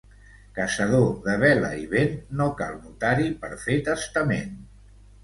Caçador de vela i vent, no cal notari per fer testament.